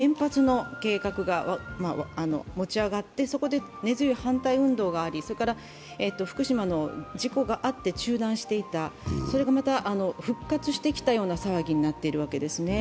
４０年ぶりに降って湧いたというか、４０年前に原発の計画が持ち上がって、そこで根強い反対運動があり、それから福島の事故があって中断していた、それがまた復活してきたような騒ぎになっているわけですね。